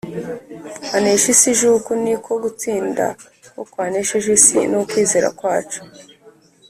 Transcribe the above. anesha isi j Uku ni ko gutsinda k kwanesheje l isi ni ukwizera kwacu